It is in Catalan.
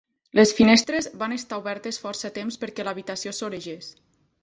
Les finestres van estar obertes força temps perquè l'habitació s'oregés.